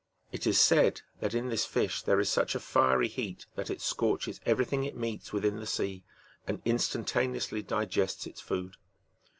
It is said that in this fish there is such a fiery heat, that it scorches everything it meets with in the sea, and instantaneously digests its food.